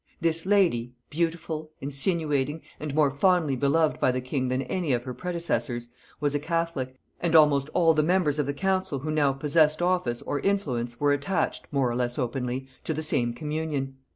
This lady, beautiful, insinuating, and more fondly beloved by the king than any of her predecessors, was a catholic, and almost all the members of the council who now possessed office or influence were attached, more or less openly, to the same communion.